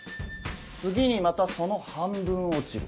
次にまたその半分落ちる。